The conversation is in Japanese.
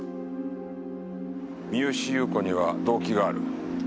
三好裕子には動機がある。